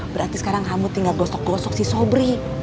berarti sekarang kamu tinggal gosok gosok si sobri